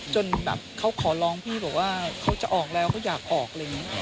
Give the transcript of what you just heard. จนแบบเขาขอร้องพี่บอกว่าเขาจะออกแล้วเขาอยากออกอะไรอย่างนี้